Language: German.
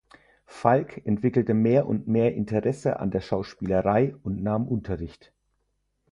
Falk entwickelte mehr und mehr Interesse an der Schauspielerei und nahm Unterricht.